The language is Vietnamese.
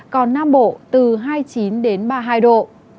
còn nam bộ từ hai mươi chín đến ba mươi hai độ